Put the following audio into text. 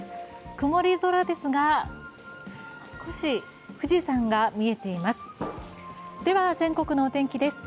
曇り空ですが少し富士山が見えています。